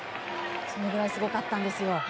それぐらいすごかったんですよ。